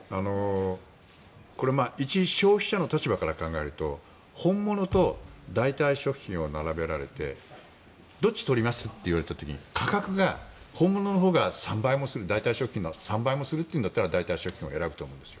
これ、いち消費者の立場から考えると本物と代替食品を並べられてどっちを取ります？と言われた時に、価格が代替食品の３倍もするというんだったら代替食品を選ぶんだと思うんです。